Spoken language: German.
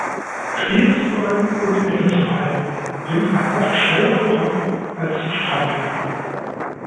Stehen zu bleiben und innezuhalten bringt einen oft schneller voran, als zu strampeln.